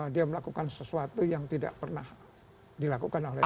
dia melakukan sesuatu yang tidak pernah dilakukan oleh